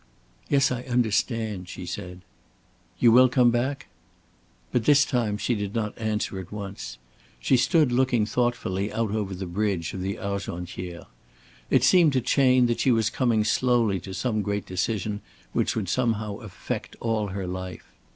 "Yes, I understand," she said. "You will come back?" But this time she did not answer at once. She stood looking thoughtfully out over the bridge of the Argentière. It seemed to Chayne that she was coming slowly to some great decision which would somehow affect all her life.